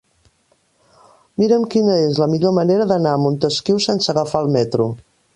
Mira'm quina és la millor manera d'anar a Montesquiu sense agafar el metro.